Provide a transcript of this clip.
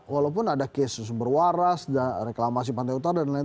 walaupun ada kes berwaras reklamasi pantai utara dan lain lain